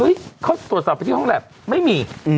เขาตรวจสอบไปที่ห้องแล็บไม่มี